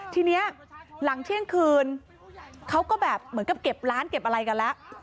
ทีนี้หลังเที่ยงคืนเขาก็แบบเหมือนกับเก็บร้านเก็บอะไรกันแล้ว